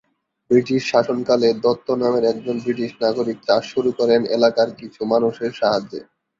British শাসনকালে দত্ত নামের একজন ব্রিটিশ নাগরিক চাষ শুরু করেন এলাকার কিছু মানুষের সাহায্যে।